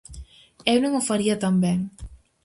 Eu non o faría tan ben.